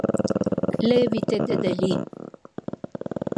Levite de de lì.